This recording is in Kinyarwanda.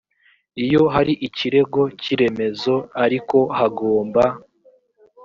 iyo hari ikirego cy iremezo ariko hagomba